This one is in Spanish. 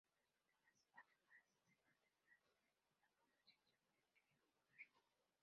Estas últimas además se mantendrán en la pronunciación del griego moderno.